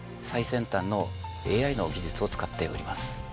最先端のＡＩの技術を使っております。